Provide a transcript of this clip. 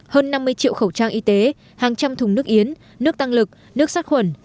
hơn năm mươi triệu khẩu trang y tế hàng trăm thùng nước yến nước tăng lực nước sát khuẩn